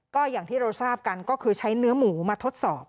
ก็อย่างที่เราทราบกันก็คือใช้เนื้อหมูมาทดสอบ